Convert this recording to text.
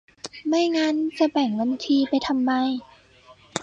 ไม่งั้นจะแบ่งบัญชีไปทำไม